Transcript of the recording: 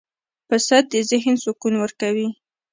پسه د ذهن سکون ورکوي.